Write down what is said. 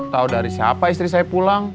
tahu dari siapa istri saya pulang